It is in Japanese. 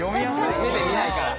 目で見ないから。